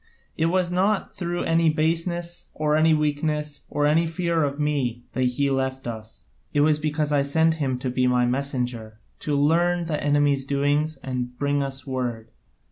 It was not through any baseness, or any weakness, or any fear of me, that he left us; it was because I sent him to be my messenger, to learn the enemy's doings and bring us word.